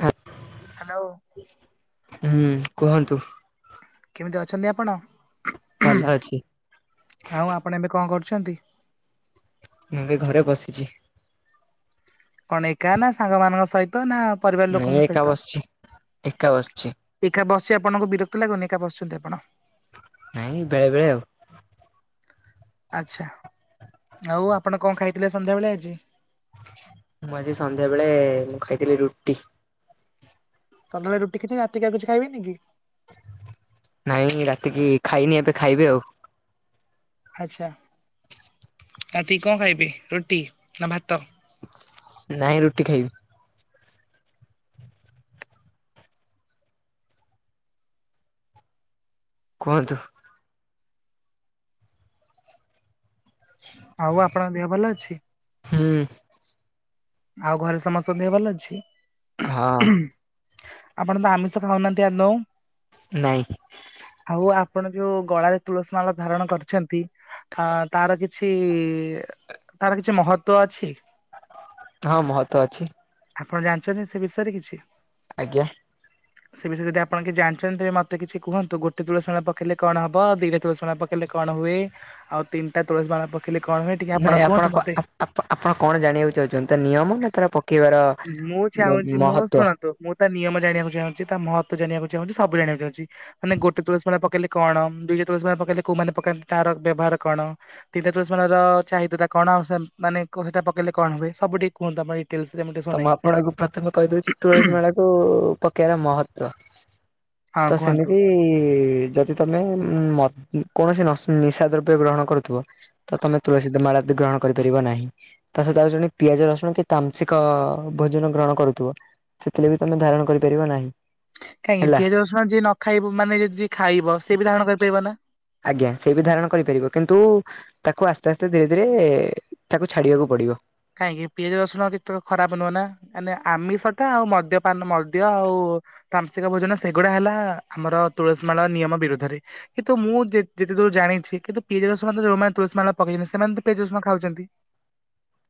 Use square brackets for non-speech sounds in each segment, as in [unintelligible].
ହା ହ୍ୟାଲୋ [inaudible] ହୁଁ କୁହନ୍ତୁ? କେମିତି ଅଛନ୍ତି ଆପଣ? ଭଲ ଅଛି। ଛନ୍ତି। ମୁଁ ଏ ଘରେ ବସିଛି। କଣ ଏକା ନା ସାଙ୍ଗମାନାନଙ୍କ ସହିତ ନା ପରିବାର ନାଇଁ ଲୋକଙ୍କ ଏକା ସହିତ? ବସଛି ଏକା ବସିଛି। ସେ ଆପଣଙ୍କୁ ବିରକ୍ତ ଲାଗେ ଏକା ବସୁଛନ୍ତି ଆପଣ? ନାଇଁ ବେଳେ ବେଳେ ଆଉ [inaudible] ଆଚ୍ଛା। ଆଉ ଆପଣ କଣ ଖାଇଥିଲେ ସନ୍ଧ୍ୟାବେେଳେ ଆଜି? ମୁଁ ଆଜି ସନ୍ଧ୍ୟାବେଳେ ମୁଁ ଖାଇଥିଲି ରୁଟି। ସନ୍ଧ୍ୟବେଳେ ରୁଟି ଖିରି ରାତି କି ଆଉ କିଛି ଖାଇବେନି କି? ନାଇଁ ରାତିକି ଖାଇନି ଏବେ ଖାଇବି ଆଉ। ଆଚ୍ଛା ରାତି କି କଣ ଖାଇବି ରୁଟି ନା ଭାତ? ନାଇଁ ରୁଟି ଖାଇବି। କୁହନ୍ତୁ? ଆଉ ଆଉପଣଙ୍କ ଦେହ ଭଲ ଅଛି? ହୁଁ ଆଉ ଘରେ ସମସ୍ତଙ୍କ ଦେହ ଭଲ ଅଛି? ହଁ ଆପଣ ତ ଆମିଷ ଖାଉନାହାନ୍ତି? [unintelligible] ନାଇଁ ଆଉ ଆପଣ ଯୋଉ ଗଳାରେ ତୁଳସୀ ମାଲ ଧାରଣ କରିଛନ୍ତି ଆ ତାର କିଛି ଇଁ ଇ ଅ ତାର କିଛି ମହତ୍ଵ ଅଛି? ହଁ ମହତ୍ଵ ଅଛି। ଆପଣ ଜାଣିଛନ୍ତି ସେ ବିଷୟରେ କିଛି? ଆଜ୍ଞା। ସେ ବିଷୟରେ ଯଦି ଆପଣ କିଛି ଜାଣିଛନ୍ତି ତେବେ ମୋତେ କିଛି କୁହନ୍ତୁ ଗୋଟେ ତୁଳସୀ ମାଳା ପକେଇଲେ କଣ ହବ ଦିଟା ତୁଳସୀ ମାଳା ପକେଇଲେ କଣ ହୁଏ ଆଉ ତିନିଟା ତୁଳସୀ ମାଳା ପ ନାଇଁ ଆପଣ କଣ ଆପ୍ ଆପ୍ ଆପ୍ ଆପଣ କଣ ଜାଣିବାକୁ ଚାହୁଁଛନ୍ତି? ତା ନିୟମ ନା ତାର ପକେଇବାର ମୁଁ ଚାହୁଁଛି ମୁଁ ମହତ୍ଵ ଶୁଣନ୍ତୁ ମୁଁ ତା ନିୟମ ଜାଣିବାକୁ ଚାହୁଁଛି ତା ମହତ୍ଵ ଜାଣିବାକୁ ମୁଁ ଚାହୁଁଛି ସବୁ ଜାଣିବାକୁ ଚାହୁଁଛି ମାନେ ଗୋଟେ ତୁଳସୀ ମାଳା ପକେଇଲେ କଣ ଦୁଇଟା ତୁଳସୀ ମାଳା ପକେଇଲେ କୋଉମାନେ ପକାନ୍ତି ତାର ବ୍ୟବହାର କଣ ତିନିଟା ତୁଳସୀ ମାଳାର ଚାହିଦା ଟା କଣ ଆଉ ମାନେ କଣ ସେଟା ପକେଇଲେ କଣ ହୁଏ? ସବୁଠିକ ମୁଁ ତା ପାଇଁ ତ ମୁଁ ଆପଣଙ୍କୁ ପ୍ରଥମେ କହିଦଉଛି ତୁଳସୀ ମେଳାକୁ ପକେଇବାର ମହତ୍ଵ ହଁ ତ କୁହନ୍ତୁ। ସେମିତି ଯଦି ତମେ ମ ଉଁ କୌଣସି ନଶ ନିଶା ଦ୍ରବ୍ୟ ଗ୍ରହଣ କରୁଥିବ। ତ ତମେ ତୁଳସୀ ତ ମାଳା ଦ ଗ୍ରହଣ କରିପାରିବ ନାହିଁ ତା ସହିତ ଆଉ ଜଣେ ପିଆଜ ରସୁଣ କି ତାମସିକ୍ ଏକ ଭୋଜନ ଗ୍ରହଣ କରୁଥିବ ସେଥିରେ ବି ତମେ ଧାରଣ କରିପାରିବ ନାହିଁ। କାହିଁକି ହେଲା ପିଆଜ ରସୁଣ ଯିଏ ନ ଖାଇବ ମାନେ ଯିଏ ଯଦି ଖାଇ ଥିବ ସେ ବି ଧାରଣ କରିପାରିବ ନା? ଆଜ୍ଞା ସେ ବି ଧାରଣ କରିପାରିବ କିନ୍ତୁ ତାକୁ ଆସ୍ତେ ଆସ୍ତେ ଧୀରେ ଧୀରେ ତାକୁ ଛାଡିବାକୁ ପଡିବ। କାହିଁକି ପିଆଜ ରସୁଣ କିଛି ତ ଖରାପ ନୁହଁ ନା, ମାନେ ଆମିଷଟା ଆଉ ମଦ୍ୟପାନ ମଦ୍ୟ ଆଉ ତାମସିକ ଭୋଜନ ସେଗୁଡା ହେଲା ଆମର ତୁଳସୀ ମାଳା ନିୟମ ବିରୁଦ୍ଧରେ କିନ୍ତୁ ମୁଁ ଯେ ଯେତେ ଦୂର ଜାଣିଛି କିନ୍ତୁ ପିଆଜ ରସୁଣ ତ ଯୋଉମାନେ ତୁଳସୀ ମାଳା ପକେଇଛନ୍ତି ସେମାନେ ତ ପିଆଜ ରସୁଣ ଖାଉଛନ୍ତି।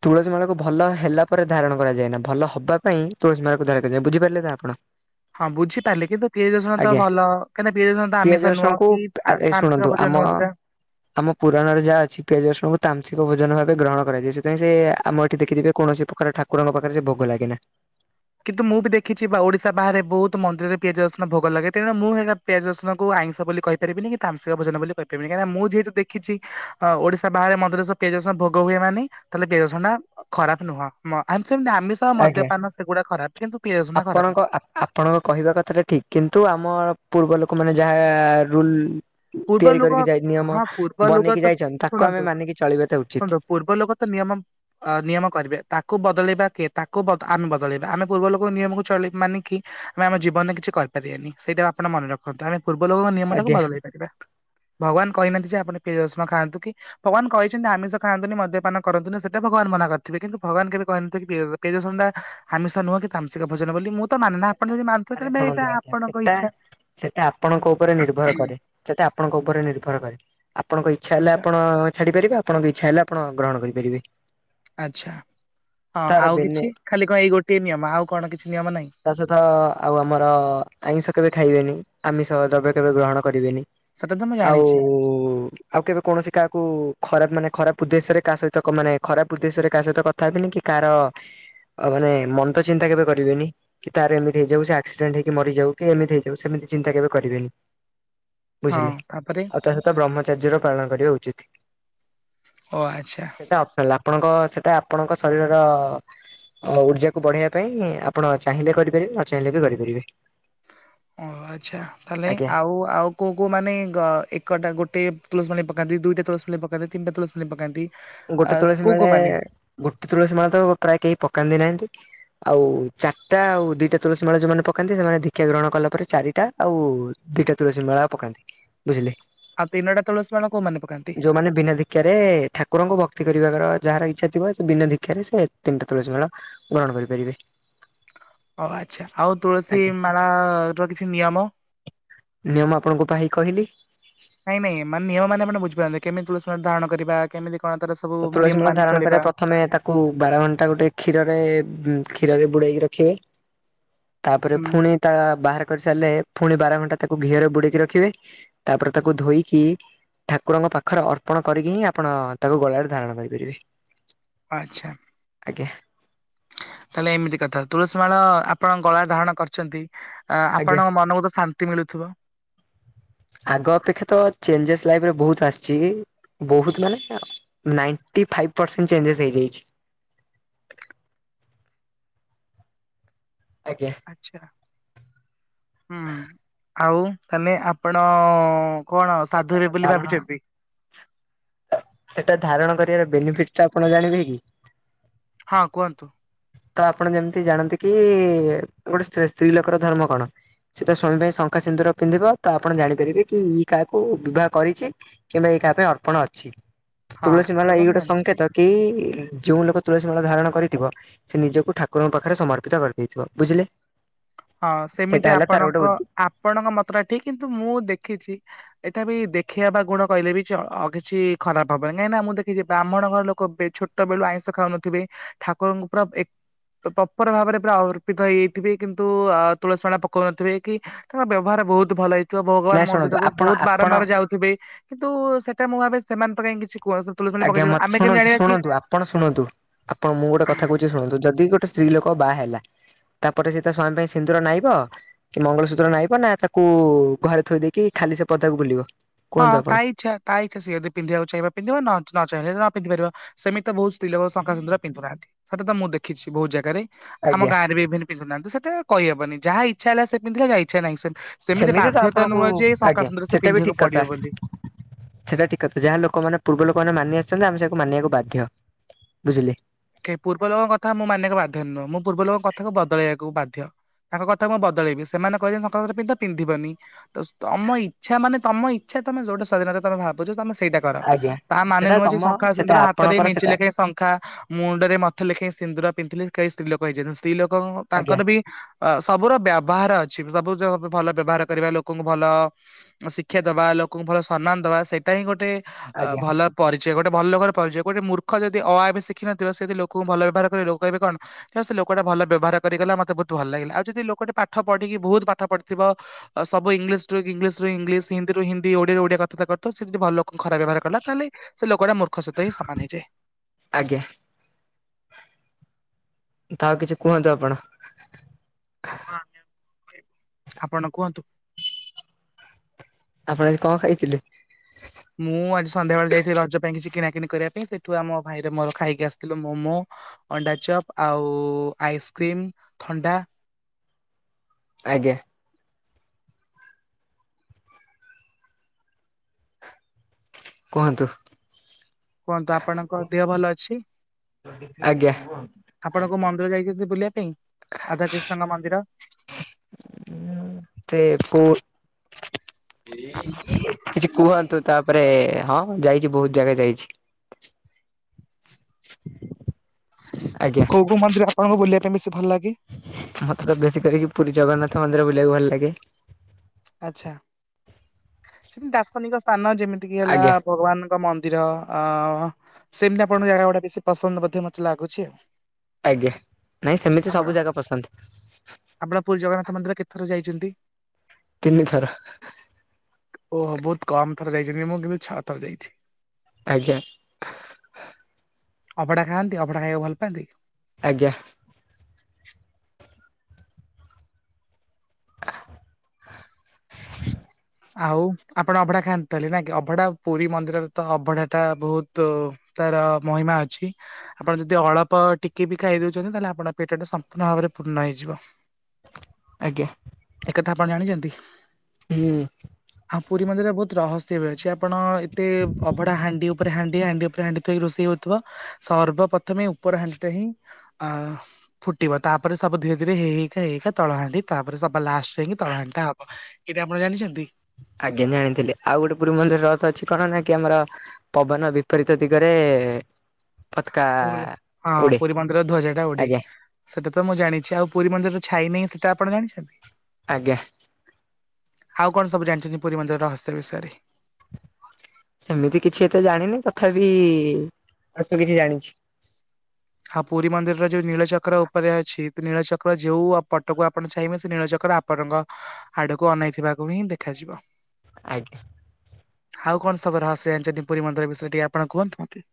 ତୁଳସୀ ମାଳାକୁ ଭଲ ହେଲା ପରେ ଧାରଣ କରାଯାଏ ନା ଭଲ ହବା ପାଇଁ ତୁଳସୀ ମାଳାକୁ ଧାରଣ କରାଯାଏ ବୁଝିପାରିଲେ ନା ଆପଣ? ହଁ ବୁଝିପାରିଲି କିନ୍ତୁ ପିଆଜ ରସୁଣ ତ ଆଜ୍ଞା ଭଲ କାହିଁକିନା ପିଆଜ ରସୁଣ ତ ଆମିଷ ପିଆଜ ନୁହଁ ରସୁଣକୁ କି ତା ଏ ତାମସିକ ଶୁଣନ୍ତୁ ଭୋଜନ ଆମ ନୁହଁ ସେଟା। ଆମ ପୁରାଣରେ ଯାହା ଅଛି ପିଆଜ ରସୁଣଙ୍କୁ ତାମସିକ ଭୋଜନ ଭାବେ [unintelligible] ଗ୍ରହଣ କରାଯାଇ ସେ ଯାଇଁ ସେ ଆମ ଏଠି ଦେଖିଥିବେ କୌଣସି ପ୍ରକାର ଠାକୁରଙ୍କ ପାଖରେ ସେ ଭୋଗ ଲାଗେ ନା। କିନ୍ତୁ ମୁଁ ବି ଦେଖିଛି ବା ଓଡିଶା ବାହାରେ ବହୁତ ମନ୍ଦିରରେ ପିଆଜ ରସୁଣ ଭୋଗ ଲାଗେ ତେଣୁ ମୁଁ ହେଇଟା ପିଆଜ ରସୁଣକୁ ଆଇଁଷ ବୋଲି କହିପାରିବିନି କି ତାମସିକ ଭୋଜନ ବୋଲି କହିପାରିବିନି କାହିଁକିନା ମୁଁ ଯେହେତୁ ଦେଖିଛି ଆ ଓଡିଶା ବାହାରେ ମନ୍ଦିର ସହ ପିଆଜ ରସୁଣ ଭୋଗ ହୁଏ ମାନେ ତାହାଲେ ପିଆଜ ରସୁଣଟା ଖରାପ ନୁହଁ ମ ଆଇ ଆମ୍ ସେମିତି ଆମିଷ ଆଉ ଆଜ୍ଞା। ମଦ୍ୟପାନ କିନ୍ତୁ ପିଆଜ ରସୁଣଟା ଖରାପ ଆପଣଙ୍କ ନୁହେଁ ଆପଣଙ୍କ କହିବା କଥା ଟା ଠିକ୍, କିନ୍ତୁ ଆମ ପୂର୍ବ ଲୋକ କୁ ମାନେ ଯାଆ ରୁଲ ପୂର୍ବ ଲୋକ, ହଁ ପୂର୍ବ ଲୋକ ବନେଇକି ତ ଯାଇଛନ୍ତି ତାକୁ ଆମେ ଶୁଣନ୍ତୁ, ମାନିକି ଚଳିବାଟା ଉଚିତ। ଶୁଣନ୍ତୁ ପୂର୍ବ ଲୋକ ତ ନିୟମ ନିୟମ କରିବେ ତାକୁ ବ ବଦଳେଇବା କିଏ? ତାକୁ ଆମେ ବଦଳେଇବା, ଆମେ ପୂର୍ବ ଲୋକ ନିୟମକୁ ଚଳେଇ ମାନି କି ଆମେ ଆମ ଜୀବନରେ କିଛି କରିପାରିବାନି, ସେଇଟା ଆପଣ ମନେ ରଖନ୍ତୁ ଆମେ ପୂର୍ବ ଲୋକଙ୍କ ନିୟମ ଟାକୁ ଆଜ୍ଞା। ବଦଳେଇ ପାରିବା। ଭଗବାନ କହିନାହାନ୍ତି ଯେ ଆପଣ ପିଆଜ ରସୁଣ ଖାଆନ୍ତୁ କି, ଭଗବାନ କହିଛନ୍ତି ଆମିଷ ଖାଆନ୍ତୁନି, ମଦ୍ୟପାନ କରନ୍ତୁନି, ସେଟା ଭଗବାନ ମନା କରିଥିବେ କିନ୍ତୁ ଭଗବାନ କେବେ କହିନହାନ୍ତି କି ପିଆଜ ରସୁଣ, ପିଆଜ ରସୁଣ ଟା ଆମିଷ ନୁହଁ କି ତାମ୍ସିକ ଭଜନ ବୋଲି ମୁଁ ତ ମାନେ ନା ଆପଣ ଯଦି ମାନୁଥିବେ ଆରେ ତାହେଲେ ଭାଇ ଏଇଟା ଶୁଣନ୍ତୁ ଆଜ୍ଞା ଆପଣଙ୍କ ସେଟା, ଇଚ୍ଛା। ସେଟା ଆପଣଙ୍କ ଉପରେ ନିର୍ଭର କରେ। ସେଟା ଆପଣଙ୍କ ଉପରେ ନିର୍ଭର କରେ। ଆପଣଙ୍କ ଇଚ୍ଛା ହେଲେ ଆଚ୍ଛା ଆପଣ ଛାଡି ପାରିବେ ଆପଣଙ୍କ ଇଚ୍ଛା ହେଲେ ଆପ ଆପଣ ଗ୍ରହଣ କରିପାରିବେ। ଆଛା ହଁ ତାର ଆଉ ବେନି କିଛି ଖାଲି କଣ ଏଇ ଗୋଟିଏ ନିୟମ ଆଉ କଣ କିଛି ନିୟମ ନାହିଁ ତା ସହିତ ଆଉ ଆମର ଆଇଁଷ କେବେ ଖାଇବେନି। ଆମିଷ ଦ୍ରବ୍ୟ କେବେ ଗ୍ରହଣ କରିବେନି। ସେଟା ତ ମୁଁ ଆଉ ଜାଣିଛି ଆଉ କେବେ କୌଣସି କାହାକୁ ଖରାପ ମାନେ ଖରାପ ଉଦ୍ଦେଶ୍ୟରେ କାହା ସହିତ ମାନେ ଖରାପ ଉଦ୍ଦେଶ୍ୟରେ କାହା ସହିତ କଥା ହେବନି କି କାହାର ମାନେ ମନ୍ଦ ଚିନ୍ତା କେବେ କରିବେନି। କି ତାର ଏମିତି ହେଇଯାଉ ସେ ଆକ୍ସିଡେଣ୍ଟ ହେଇକି ମରିଯାଉ କି ଏମିତି ହେଇଯାଉ ସେମିତି ଚିନ୍ତା କେବେ କରିବେନି। ହଁ ବୁଝିଲି ତାପରେ ଆଉ ତା ସହିତ ବ୍ରହ୍ମଚାର୍ଜ ର ପାଳନ କରିବା ଉଚିତ୍। ଓ ଆଚ୍ଛା ସେଟା ଅପେଲ ଆପଣଙ୍କ ସେ ତା ଆପଣଙ୍କ ଶରୀରର ଉର୍ଜାକୁ ବଢେଇବା ପାଇଁ ଆପଣ ଚାହିଁଲେ କରିପାରିବେ ନ ଚାହିଁଲେ ବି କରିପାରିବେ। ଓ ଆଚ୍ଛା ତାହେଲେ ଆଜ୍ଞା। ଆଉ ଆଉ କୋଉ କୋଉ ମାନେ ଏକଟା ଗୋଟେ ପ୍ଲସ ପକାନ୍ତି ଦୁଇଟା ତୁଳସୀ ମାଳ ପକାନ୍ତି ତିନଟା ତୁଲସୀ ମାଳ ପକାନ୍ତି। ଆ ଗୋଟେ ତୁଳସୀ କୋଉ ମାଳେ କୋଉ ମାନେ ଗୋଟେ ତୁଳସୀ ମାଳେ ତ ପ୍ରାୟତଃ କେତ ପକାନ୍ତି ନାହାନ୍ତି ଆଉ ଚାରଟା ଆଉ ଦିଟା ତୁଳସୀ ମାଳ ଯୋଉମାନେ ପକାନ୍ତି ସେମାନେ ଦୀକ୍ଷା ଗ୍ରହଣ କଲା ପରେ ଚାରିଟା ଆଉ ଦିଟା ତୁଳସୀ ମାଳା ପକାନ୍ତି। ବୁଝିଲେ। ଆଉ ତିନଟା ତୁଳସୀ ମାଳ କୋଉମାନେ ପକାନ୍ତି? ଯୋଉମାନେ ବିନା ଦୀକ୍ଷାରେ ଠାକୁରଙ୍କ ତୀ କରିବା ର ଯାହାର ଇଚ୍ଛା ଥିବ, ସେ ବିନା ଦୀକ୍ଷାରେ ସେଟା ତିନଟା ତୁଳସୀ ମେଳ ଗ୍ରହଣ କରିପାରିବେ। ଓ ଆଚ୍ଛା। ଆଉ ତୁଳସୀ ଆଜ୍ଞା ମାଳା ର କିଛି ନିୟମ? ନିୟମ ଆପଣଙ୍କୁ ପା [inaudible] ନାଇଁ ନାଇଁ ମାନେ ନିୟମ ମାନ ଆପଣ ବୁଝିପାରନ୍ତି କେମିତି ତୁଳସୀ ମାଳ ଧାରଣ କରିବା କେମିତି? କଣ ତାର ସବୁ ତ ତୁଳସୀ ନିୟମ ମାଳ ମାନି ଧାରଣ ଚଳିବା କରିବା, ପଥମେ ତାକୁ ବାର ଘଣ୍ଟା ଗୋଟେ କ୍ଷୀରରେ କ୍ଷୀରରେ ବୁଡେଇକି ରଖିବେ। ତାପରେ ହୁଁ। ଫୁଣି ତା ବାହାରେ କରିସାରିଲେ ଫୁଣି ବାର ଘଣ୍ଟା ତାକୁ ଘିଅରେ ବୁଡେଇକି ରଖିବେ, ତାପରେ ତାକୁ ଧୋଇକି ଠାକୁରଙ୍କ ପାଖରେ ଅର୍ପଣ କରିକି ହିଁ ଆପଣ ତାକୁ ଧାରଣ କରିପାରିବି। ଆଚ୍ଛା। ତାହେଲେ ଏମିତି କଥା ତୁଳସୀ ମାଳ ଆପଣ ଗଳା ଧାରଣ କରିଛନ୍ତି ଅ ଆଜ୍ଞା ଆପଣଙ୍କ ମନ ବହୁତ ଶା ମୁକ୍ତି ମିଳୁଥିବ। ଆଗ ଅପେକ୍ଷା ତ ଚେଞ୍ଜେସ୍ ଲାଇଫରେ ବହୁତ ଆସିଛି ବହୁତ ମାନେ ନାଇଣ୍ଟି ଫାଇ ପରସେଟ ଚେଞ୍ଜେସ ହେଇଯାଇଛି। ଆଜ୍ଞା ଆଚ୍ଛା ହୁଁ। ଆଉ ତାହେଲେ ଆପଣ କଣ ତ ସାଧୁ ହେବେ ତାର ବୋଲି ଧାରଣ ଭାବିଛନ୍ତି? ସେଇଟା ଧାରଣ କରିବାର ବେନିଫିଟ ଟା ଆପଣ ଜାଣିବେ ହଁ କୁହନ୍ତୁ। ତ ଆପଣ ଯେମିତି ଜାଣନ୍ତି କି ଗୋଟେ ସ୍ତ୍ରୀ ସ୍ତ୍ରୀ ଲୋକର ଧର୍ମ କଣ ସେ ତା ସ୍ଵାମୀ ପାଇଁ ଶଙ୍ଖା ସିନ୍ଦୁର ପିନ୍ଧିବ ତ ଆପଣ ଜାଣିପାରିବେ କି କାହାକୁ ବିବାହ କରିଛି କିମ୍ବା ଏ କାହା ପାଇଁ ଅର୍ପଣ ଅଛି। ହଁ ତୁଳସୀ ମାଳା ସେଟା ଏଇ ତ ମୁଁ ଗୋଟେ ଜାଣିଛି। ସଂଙ୍କେତ କି ଯୋଉ ଲୋକ ତୁଳସୀ ମାଳ ଧାରଣ କରିଥିବ ସେ ନିଜକୁ ଠାକୁରଙ୍କ ପାଖରେ ସମର୍ପିତ କରିଦେଇଥିବ ବୁଝିଲେ। ହଁ ସେଇଟା ସେମିତି ହେଲା ତାର ଗୋଟେ ଆପଣଙ୍କ ଉଦ୍ଦ ଆପଣଙ୍କ ମତ ଟା ଠିକ କିନ୍ତୁ ମୁଁ ଦେଖିଛି ଏଟା ବି ଦେଖେଇିବା ବା ଗୁଣ କହିଲେ ବି କିଛି ଖରାପ ହବନି କାହିଁନା ମୁଁ ଦେଖିଛି ବ୍ରାହ୍ମଣ ଘର ଲୋକ ଏ ଛୋଟ ବେଳୁ ଆଇଁଷ ଖାଉନଥିବେ ଠାକୁରଙ୍କୁ ପୁରା ପ୍ରପର ଭାବରେ ପୁରା ଅର୍ପିତ ହେଇଯାଇଥିବେ। ଯିନ୍ତୁ ତୁଳସୀ ମାଳ ପକଉନଥିବେ କି ତାଙ୍କ ବ୍ୟବହାର ବହୁତ ଭଲ ନାଇଁ ଭଗବାନ ଶୁଣନ୍ତୁ ମନ୍ଦିର କୁ ଆପଣ ବହୁତ ଆପଣ ବାରମ୍ବାର ଯାଉଥିବେ। କିନ୍ତୁ ସେଇଟା ମୁଁ ଭାବେ ସେମାନଙ୍କ ପାଇଁ ଆଜ୍ଞା ମତେ ଶୁଣନ୍ତୁ ଶୁଣନ୍ତୁ ଆପଣ ଶୁଣନ୍ତୁ ଆପଣ ମୁଁ ଗୋଟେ କଥା କହୁଛି ଶୁଣନ୍ତୁ ଯଦି ଗୋଟେ ସ୍ତ୍ରୀ ଲୋକ ବାହା ହେଲା ତାପରେ ସେ ତା ସ୍ଵାମୀ ପାଇଁ ସିନ୍ଦୁର ନାଇବ କି ମଙ୍ଗଳସୂତ୍ର ନାଇବ ନା ତାକୁ ଘରେ ଥୋଇ ଦେଇକି ଖାଲି ସେ ପଦାକୁ ବୁଲିବ? ହଁ କୁହନ୍ତୁ ତା ଆପଣ ଇଛା ତା ଇଛା ସିଏ ଯଦି ନ୍ଧିବାକୁ ଚାହିଁବ ପିନ୍ଧିବ ନ ନ ଚାହିଁଲେ ନା ପିନ୍ଧି ପାରିବ ସେମିତି ବହୁତ ସ୍ତ୍ରୀ ଲୋକ ଶଖା ସୁୁନ୍ଦୁର ପିନ୍ଧୁ ନାହାନ୍ତି ସେଇଟା ତ ମୁଁ ଦେଖିଛି ବହୁତ ଜାଗାରେ। ଆମ ଆଜ୍ଞା ଗାଁରେ ଇଭେନ୍ ପିନ୍ଧୁ ନାହାନ୍ତି ସେଟା କହିହବନି ଯା ଜାହା ଇଛା ହେଲା ସେ ପିନ୍ଧିଲା ଯା ଇଛା ନାହିଁ ସେ ସେମିତି ତ ବାଧ୍ୟତା ଆପଣଙ୍କୁ ନୁହଁ ଯେ ଶଙ୍ଖା ଆଜ୍ଞା ସିନ୍ଦୁର ସେ ସେଟା ବି ପିନ୍ଧିବାକୁ ଠିକ କଥା ପଡିବ ବୋଲି। ସେଟା ଠିକ କଥା ଯାହା ଲୋକମାନେ ପୂର୍ବ ଲୋକମାନେ ମାନି ଆସ ସେମିତି ଆମେ ସେଆକୁ ମାନିବାକୁ ବାଧ୍ୟ ବୁଝିଲେ। ପୂର୍ବ ଲୋକଙ୍କ କଥା ମୁଁ ମାନିବାକୁ ବାଧ୍ୟ ନୁହଁ ମୁଁ ପୂର୍ବ ଲୋକଙ୍କ କଥାକୁ ବଦଳେଇବାକୁ ବାଧ୍ୟ ତାଙ୍କ କଥାକୁ ମୁଁ ବଦଳେଇବି ସେମାନେ କହିଲେ ଶଙ୍ଖା ସିନ୍ଦୁର ପିନ୍ଧ ପିନ୍ଧିବନି ତ ତମ ଇଛା ମାନେ ତମ ଇଚ୍ଛା ତମେ ଯୋଉଟା ସ୍ୱାଧୀନରେ ତମେ ଭାବୁଛ ତମେ ସେ ସେଇଟା କର ଆଜ୍ଞା ତା ମାନେ ସେଟା ନୁହଁ ଯେ ତମ ଶଙ୍ଖା ସେଟା ସିନ୍ଦୁର ହାତରେ ଆପଣଙ୍କର ମେଞ୍ଚେ ସେଟା ଲେଖାଏ ଶଙ୍ଖା ରେ ମଥେ ଲେଖେ ସିନ୍ଦୁର ପିନ୍ଧିଲେ କେହି ସ୍ତ୍ରୀ ଲୋକ ହେଇଜାନ୍ତିନି। ସ୍ତ୍ରୀ ଲୋକଙ୍କ ଆଜ୍ଞା ତାଙ୍କର ବି ଅ ସବୁର ବା ବାହାରେ ଅଛି ସପୋଜ ଭଲ ବ୍ୟବହାର କରିବା ଲୋକଙ୍କୁ ଭଲ ଶିକ୍ଷା ଦବା ଲୋକଙ୍କୁ ଭଲ ସମ୍ମାନ ଦବା ସେଇଟା ହିଁ ଗୋଟେ ଆ ଆଜ୍ଞା ଭଲ ପରିଚୟ ଗୋଟେ ଭଲ ଲୋକର ପରିଚୟ ଗଟେ ମୂର୍ଖ ଯଦି ଅ ଆ ବି ସିକ ଶଖିନଥିବ ସେ ଯି ଲୋକଙ୍କୁ ଭଲ ବ୍ୟବହାର ଲୋକ କହିବେ କଣ ହେ ସେ ଲୋକଟା ଭଲ ବ୍ୟବହାର କରି କଲା ମୋତେ ବହୁତ ଭଲ ଲାଗିଲା ଆଉ ଯଦି ଲୋକଟେ ପାଠ ପଢିକି ବହୁତ ପାଠ ପଢିଥିବ ସବୁ ଇଂଲିଶ ଟୁ ଇଂଲିଶରୁ ଇଂଲିଶ ହିନ୍ଦି ରୁ ହିନ୍ଦି ଓଡିଆରେ ଓଡିଆ କଥାବାର୍ତ୍ତା କରୁଥିବ ସେ ଯଦି ଭଲ ଖରାପ ବ୍ୟବହାର କଲା ତାହେଲେ ସେ ଲୋକଟା ମୂର୍ଖ ସହିତ ହିଁ ସମାନ ହେଇଯାଏ। ଆଜ୍ଞା ତ ଆଉ କିଛି କୁହନ୍ତୁ ଆପଣ। ଆପଣ କୁହନ୍ତୁ। ଆପଣ ଆଜି କଣ ଖାଇଥିଲେ? ମୁଁ ଆଜି ସନ୍ଧ୍ୟାବେଳେ ଯାଇଥିଲି ରଜ ପାଇଁ କିଛି କିଣାକିଣି କରିବା ପାଇଁ ସେଇଠୁ ଆମ ଭାଇର ମୋର ଖାଇକି ଆସିଥିଲୁ ମୋମୋ ଅଣ୍ଡା ଚପ୍ ଆଉ ଆଇସ୍କ୍ରିମ୍ ଥଣ୍ଡା। ଆଜ୍ଞା। କୁହନ୍ତୁ। କୁହନ୍ତୁ ଆପଣଙ୍କ ଦେହ ଭଲ ଅଛି ଆଜ୍ଞା ଆପଣଙ୍କ ମନ୍ଦିର ଯାଇଥିଲେ ବୁଲିବା- ପାଇଁଁ ସେ କୋଉ କିଛି କୁହନ୍ତୁ ତାପରେ ହଁ ଯାଇଛି ବହୁତ ଜାଗା ଯାଇଛି [inaudible] ଆଜ୍ଞା କଉ କଉ ମନ୍ଦିର ଆପଣଙ୍କୁ ବୁଲିବା ପାଇଁ ବେଶି ଭଲ ଲାଗେ ମତେ ତ ବେଶୀ କରିକି ପୁରୀ ଜଗନ୍ନାଥ ମନ୍ଦିର ବୁଲିବାକୁ ଭଲ ଲାଗେ ଆଚ୍ଛା ଦାର୍ଶନିକ ସ୍ଥାନ ଯେମିତି କିି ହେଲା ଆଜ୍ଞା ଭଗବାନଙ୍କ ମନ୍ଦି ନ୍ଦିର ସେମତି ଆପଣଙ୍କ ଜାଗା ଗୁଡା ବେଶୀ ପସନ୍ଦ ବୋଧେ ମୋତେ ଲାଗୁଛି ଆଉ ଆଜ୍ଞା ନାଇଁ ସେମିତି ଆପଣ ସବୁ ଜାଗା ପସନ୍ଦ ଚୁଟି ତିନିଥର ଓହୋ ବହୁତ କମ୍ ଥର ଯାଇଛନ୍ତି ମୁଁ କିନ୍ତୁ ଛ ଥର ଯାଇଛି ଆଜ୍ଞା ଅବଡା ଖାଆନ୍ତି ଅପଢା ଖାଇବାକୁ ଭଲ ପାଆନ୍ତି ଆଜ୍ଞା ଆଉ ଆପଣ ଅଭଢା ଖାଆନ୍ତୁଲେ ନ କି ଅଭଢା ପୁରୀ ମନ୍ଦିରରେ ତ ଅଭଢା ଟା ବହୁତ ତାର ମହିମା ଅଛି ଆପଣ ଯଦି ଅଳ୍ପ ଟିକେ ବି ଖାଇଦଉଛନ୍ତି ତାହେଲେ ଆପଣ ପେଟ ଟା ସମ୍ପୂର୍ଣ୍ଣ ଭାବରେ ପୂର୍ଣ୍ଣ ହେଇଯିବ। ଆଜ୍ଞା ଏକ କଥା ଆପଣ ଜାଣିଚନ୍ତି ହୁଁ। ହଁ ପୁରୀ ମନ୍ଦିରେ ବହୁତ ରହସ୍ୟ ବି ଅଛି ଆପଣ ଏତେ ଅଭଡ଼ା ହାଣ୍ଡି ଉପ ଉପରେ ହାଣ୍ଡି ହାଣ୍ଡି ଉପରେ ହାଣ୍ଡି ଥୋଇକି ରୋଷେଇ ହଉଥିବ ସର୍ବପ୍ରଥମେ ଉପର ହାଣ୍ଡି ଟା ହିଁ ଅ ଫୁଟିବ ତାପ ସବୁ ଧୀରେ ଧୀରେ ହେଇ ହେଇ ହେଇା ତଳ ହାଣ୍ଡି ତାପରେ ସବୁ? ଲାଷ୍ଟ [unintelligible] କି ତଳ ଘଣ୍ଟା ହବ। ଏଇଟା ଆପଣ ଜାଣିଛନ୍ତି ଆଜ୍ଞା ଜାଣିଥିଲି ଆଉ ଗୋଟେ ପୁରୀ ମନ୍ଦିର ରସ ଅଛି କଣ ନା କି ଆମର ପବନ ବିପରୀତ ଦିଗରେ। ପତାକା ହଁ ଉଡେ ପୁରୀ ମନ୍ଦିରର ଧ୍ୱଜା ଟା ଗୋଟେ ଆଜ୍ଞା। ସେଇଟା ତ ମୁଁ ଜାଣିଛି ଆଉ ପୁରୀ ମନ୍ଦିର ଛାଇ ନାହିଁ ସୋ। କେତେ ଆପଣ ଜାଣିଛନ୍ତି ଆଜ୍ଞା ଆଉ କଣ ସବୁ ଜାଣିଟିନି ପୁରୀ ମନ୍ଦିରର ରହସ୍ୟ ବିଷୟରେ? ସେମିତି କିଛି ଏତେ ଜାଣିନି ତଥାପି ଅଳ୍ପ କିଛି ଜାଣିଛି। ହଁ ପୁରୀ ମନ୍ଦିରର ଯୋଉ ନୀଳଚକ୍ର ଉପରେ ଅଛି। ନୀଳଚକ୍ର ଯୋଉ ପଟକୁ ଆପଣ ଚାହିଁବେ ସେ ନୀଳଚକ୍ର ଆପଣଙ୍କ ଆଡକୁ ଅନେଇଥିବାକୁ ହିଁ ଦେଖାଯିବ। ଆଜ୍ଞା ଆଉ କଣ ସବର ରହସ୍ୟ ଜାଣିଛନ୍ତ ପୁରୀ ମନ୍ଦିର ବିଷୟରେ ଟିକେ ଆପଣ କୁହନ୍ତୁ।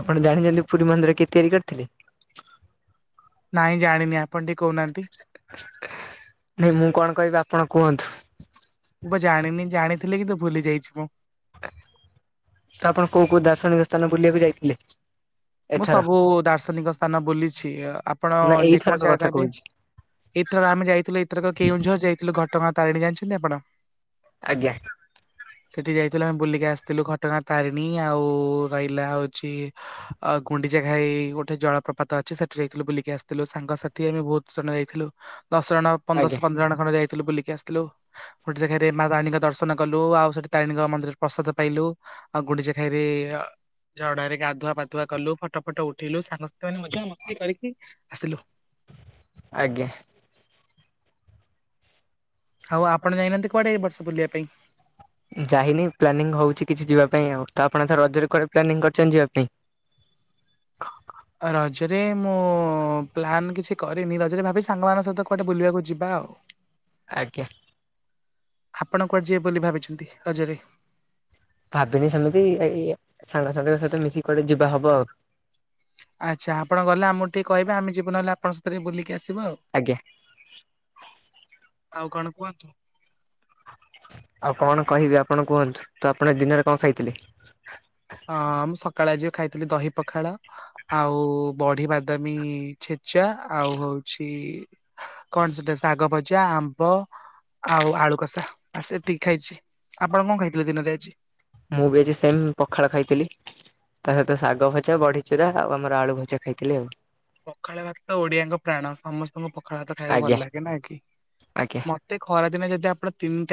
ଆପଣ ଜାଣିଛନ୍ତି ପୁରୀ ମନ୍ଦିର କିଏ ତିଆରି କରିଥିଲେ। ନାଇଁ ଜାଣିନି ଆ ନାଇଁ ମୁଁ କଣ କହିବି ଆପଣ କୁହନ୍ତୁ। ମୁଁ ଜାଣିନି ଜାଣିଥିଲେ କି ତୁ ଭୁଲି ଯାଇଛି ମୁଁ। ଆପଣ କୋଉ କୋଉ ଦାର୍ଶନିକ ସ୍ଥାନ ବୁଲିବାକୁ ଯାଇଥିଲେ। ମୁଁ ଏଥର? ସବୁ ଦାର୍ଶନିକ ସ୍ଥାନ ବୁଲିଛି ଆପଣ ନା ଏଇଥରକ ଯେକୌଣସି କଥା ଜାଗା ନବେ କହୁଛି ଏଥରକ ଆମେ ଯାଇଥିଲୁ ଏଥରକ କେଉଁଝର ଯାଇଥିଲୁ ଘଟଗାଁ ତାରିଣୀ ଯାଣିଛନ୍ତି। [unintelligible] ପଡ଼ା ଆଜ୍ଞା। ସେଠି ଯାଇଥିଲୁ ଆମେ ବୁଲିକି ଆସିଥିଲୁ ଘଟଗାଁ ତାରିଣୀ ଆଉ ରହିଲା ହଉଛି। ଆ ଗୁଣ୍ଡିଜା ଘାଇ ହେଇ ଗୋଟେ ଜଳ ପ୍ରପାତ ଅଛି ସେଠି ଯାଇଥିଲୁ ବୁଲିକି ଆସିଥିଲୁ ସାଙ୍ଗସାଥି ଆମେ ବହୁତ ଜଣେ ଯାଇଥିଲୁ। ଦଶଜଣ ଆଜ୍ଞା। ପନ୍ଦରଶହ ପନ୍ଦର ଜଣ ଖଣ୍ଡେ ଯାଇଥିଲୁ ବୁଲିକି ଆସିଲୁ ଗୋଟେ ଗୁଣ୍ଡିଚା ଘାଇରେ ମା ତାରିଣୀଙ୍କ ଦର୍ଶନ କଲୁ ଆଉ ସେଠି ତାରିଣୀଙ୍କ ମନ୍ଦିରରେ ପ୍ରସାଦ ପାଇଲୁ। ଆଉ ଗୁଣ୍ଡିଚା ଘାଇରେ ଜଡ଼ାରେ ଗାଧୁଆ ପାଧୁଆ କଲୁ ଫଟ। ଫଟ ଉଠେଇଲୁ ସାଙ୍ଗ ସହିତ ମଜା ମସ୍ତି କରିକି ଆସିଲୁ। ଆଜ୍ଞା। ହଉ ଆପଣ ଯାଇନ କୁଆଡେ ବର୍ଷ ବୁଲିବା ପାଇଁ? ଯାଇନି ପ୍ଲାନିଂ ହଉଛି କିଛି ଯିବା ପାଇଁ ଆଉ ତ ଆପଣଥର ରଜରେ କୁଆଡେ ପ୍ଲାନିଂ କରିଛନ୍ତି ଯିବା ପାଇଁ ରଜରେ ମୁଁ ପ୍ଲାନ୍ କିଛି କରିନି ରଜରେ ଭାବିଛି ସାଙ୍ଗମାନଙ୍କ ସହିତ କୁଆଡେ ବୁଲିବାକୁ ଯିବା ଆଉ। ଆଜ୍ଞା। ଆପଣ କୁଆଡେ ଯିବେ ବୋଲି ଭାବିଛନ୍ତି ରଜରେ? ଭାବିନି ସେମିତି ଏଇ ସାଙ୍ଗସାଙ୍ଗରେ ସାଥିରେ ମିଶିକି କୁଆଡେ ଯିବା ହବ ଆଉ। ଆଚ୍ଛା, ଆପଣ ଗଲେ ଆମକୁ ଟିକେ କହିବେ ଆମେ ଯିବୁ ନହେଲେ ଆପଣ ସ ଥରେ ବୁଲିକି ଆସି। ଥିବ ଆଉ। ଆଜ୍ଞା। ଆଉ କଣ କୁହନ୍ତୁ? ଆଉ କଣ କହିବି ଆପଣ କୁହନ୍ତୁ? ତ ଆପଣ ଦିନରେ କଣ ଖାଇଥିଲେ? ହଁ ଆମ ଷ୍ କାଳଆଜି ଖାଇଥିଲି ଦହି ପଖାଳ ଆଉ ବଢିବାଦାମୀ ଛେଚା ଆଉ ହଉଛି କଣ ସେଇଟା ଶାଗ ଭଜା ଆମ୍ବ ଆଉ ଆଳୁକଷା। ଆ ସେତିକି ଖାଇଛି ଆପଣ କଣ ଖାଇଥିଲେ ଦିନରେ ଆଜି? ମୁଁ ବି ଆଜି ସେମ ପଖାଳ ଖାଇଥିଲି ତା ସହିତ ଶାଗ ଭଜା ବଢିଚୁରା ଆଉ ଆମର ଆଳୁ ଭଜା ଖାଇଥିଲି ଆଉ। ପଖାଳ ଭାତ ଓଡିଆଙ୍କ ପ୍ରାଣ ସମସ୍ତଙ୍କୁ ପଖାଳ ଭାତ ଖାଇବାକୁ ଭଲ ଆଜ୍ଞା ଲାଗେ ନା କି ଆଜ୍ଞା। ମତେ ଖରାଦିନ ଯଦି ଆପ ତିନିଟା